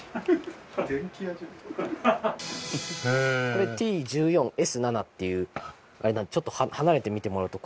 これＴ１４−Ｓ７っていうあれなんでちょっと離れて見てもらうと。